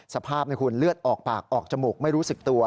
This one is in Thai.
สภาพคุณเลือดออกปากออกจมูกไม่รู้สึกตัว